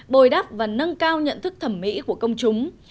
bồi đắp và nâng cao nhận thức thẩm mỹ của công chúng